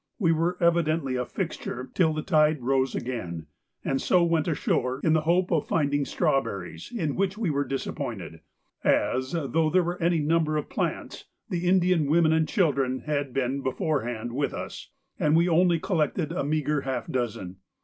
We were evidently a fixture till the tide rose again, and so went ashore in the hope of finding strawberries, in which we were disappointed, as, though there were any number of plants, the Indian women and children had been beforehand with us, and we only collected a meagre half dozen.